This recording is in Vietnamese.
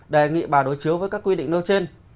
đề nghị bà đối chiếu với các quy định nêu trên